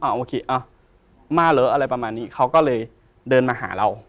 โอเคมาเหรออะไรประมาณนี้เขาก็เลยเดินมาหาเรา